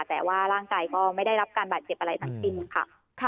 แต่ว่าร่างกายก็ไม่ได้รับการบาดเจ็บอะไรทั้งสิ้นค่ะ